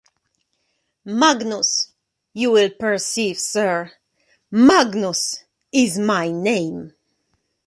Magnus, you will perceive, sir — Magnus is my name.